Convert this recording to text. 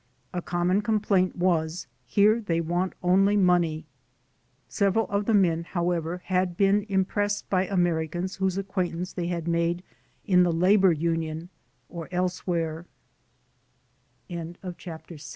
A common complaint was : "Here they want only money." Several of the men, however, had been im pressed by Americans whose acquaintance they had made in the labor union or elsewhe